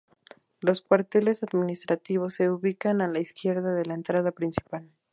Los cuarteles administrativos se ubicaban a la izquierda de la entrada principal.